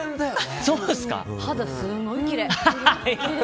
肌すごいきれい。